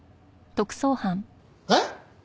えっ！？